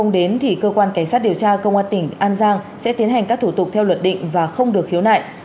đến thì cơ quan cảnh sát điều tra công an tỉnh an giang sẽ tiến hành các thủ tục theo luật định và không được khiếu nại